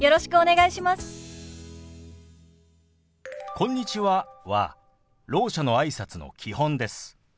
「こんにちは」はろう者のあいさつの基本です。